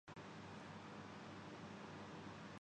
یہی نہیں پنجاب میں پختونوں کی بڑی تعداد آباد ہے۔